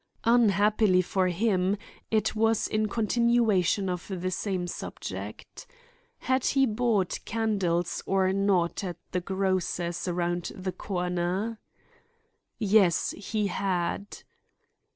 Unhappily for him it was in continuation of the same subject. Had he bought candles or not at the grocer's around the corner? Yes, he had.